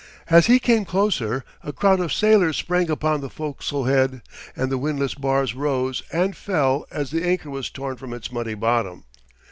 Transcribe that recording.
As he came closer, a crowd of sailors sprang upon the forecastle head, and the windlass bars rose and fell as the anchor was torn from its muddy bottom.